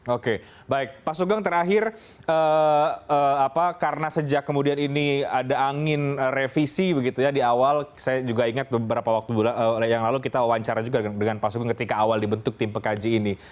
oke baik pak sugeng terakhir karena sejak kemudian ini ada angin revisi begitu ya di awal saya juga ingat beberapa waktu yang lalu kita wawancara juga dengan pak sugeng ketika awal dibentuk tim pekaji ini